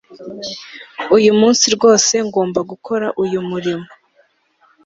Uyu munsi rwose ngomba gukora uyu murimo